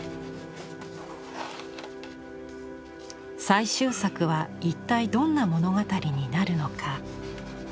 最終作は一体どんな物語になるのか？